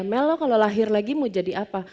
mel lo kalau lahir lagi mau jadi apa